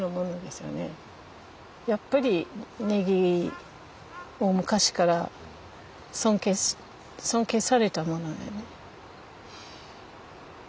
やっぱりネギは昔から尊敬されたものよね。